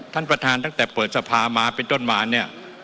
ท่านประธานตั้งแต่เปิดสภามาเป็นต้นมาเนี่ย